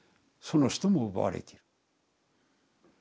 その人も奪われている。